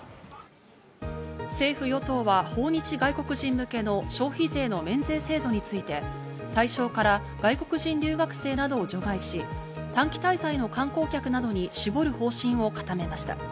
政府・与党は訪日外国人向けの消費税の免税制度について対象から外国人留学生などを除外し、短期滞在の観光客などに絞る方針を固めました。